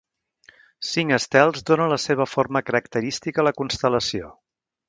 Cinc estels donen la seva forma característica a la constel·lació.